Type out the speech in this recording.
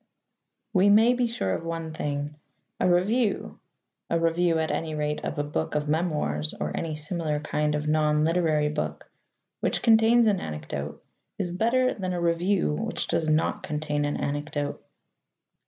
We may be sure of one thing. A review a review, at any rate, of a book of memoirs or any similar kind of non literary book which contains an anecdote is better than a review which does not contain an anecdote.